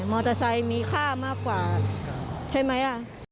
มอเตอร์ไซค์มีค่ามากกว่าใช่ไหม